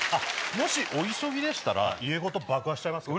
もしお急ぎでしたら家ごと爆破しちゃいますけど。